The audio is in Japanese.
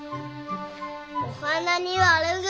お花に悪口。